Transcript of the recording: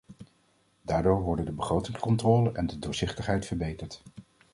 Daardoor worden de begrotingscontrole en de doorzichtigheid verbeterd.